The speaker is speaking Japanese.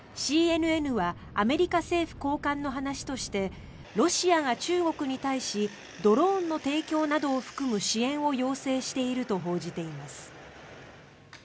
ＣＮＮはアメリカ政府高官の話としてロシアが中国に対しドローンの提供などを含む支援を要請していると報じています。